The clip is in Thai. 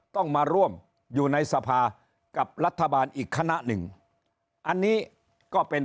ต้องมาร่วมอยู่ในสภากับรัฐบาลอีกคณะหนึ่งอันนี้ก็เป็น